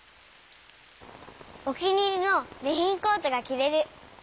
お気に入りのレインコートがきられる。